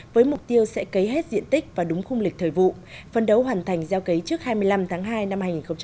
với mục tiêu sẽ cấy hết diện tích và đúng khung lịch thời vụ phân đấu hoàn thành gieo cấy trước hai mươi năm tháng hai năm hai nghìn hai mươi